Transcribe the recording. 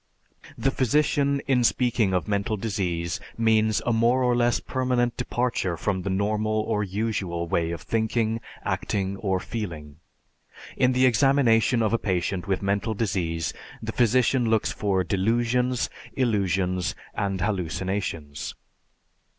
The physician in speaking of mental disease means a more or less permanent departure from the normal or usual way of thinking, acting, or feeling. In the examination of a patient with mental disease the physician looks for delusions, illusions, and hallucinations.